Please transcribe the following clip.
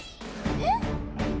えっ？